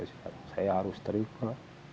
saya harus terima